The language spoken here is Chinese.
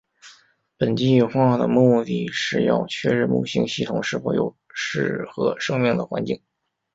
本计画的目的是要确认木星系统是否有适合生命的环境。